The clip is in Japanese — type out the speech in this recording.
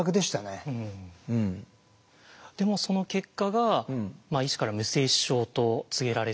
でもその結果が医師から無精子症と告げられて。